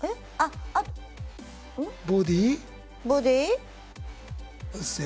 ボディーが？